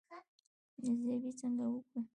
ارزیابي څنګه وکړو؟